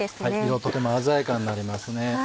色とても鮮やかになりますね。